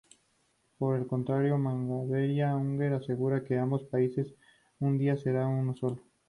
Por el contrario, Mangabeira Unger asegura que ambos países un día serán uno solo.